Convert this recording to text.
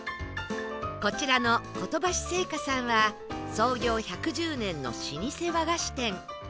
こちらの小戸橋製菓さんは創業１１０年の老舗和菓子店